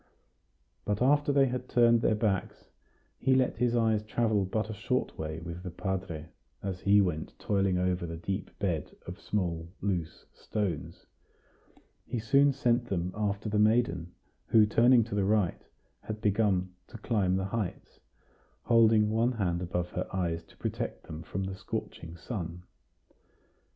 But after they had turned their backs, he let his eyes travel but a short way with the padre, as he went toiling over the deep bed of small, loose stones; he soon sent them after the maiden, who, turning to the right, had begun to climb the heights, holding one hand above her eyes to protect them from the scorching sun.